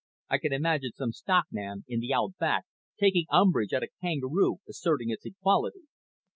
I can imagine some stockman in the outback taking umbrage at a kangaroo asserting its equality.